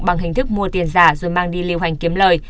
bằng hình thức mua tiền giả rồi mang đi lưu hành kiếm lời